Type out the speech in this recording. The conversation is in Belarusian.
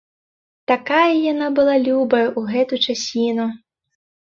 Такая яна была любая ў гэту часіну.